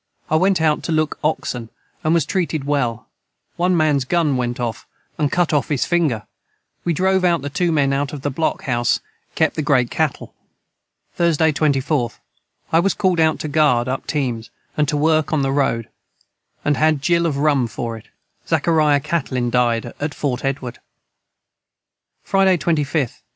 I went out to look oxen and was treated well 1 mans gun went of and cut of his finger we drove out the 2 men out of the Block House kep the great Cattle. Thursday, 24th. I was cald out to guard up teams and to work on the road & had a Jil of rum for it Zachariah Catlin died at Fort Edward. Friday 25th.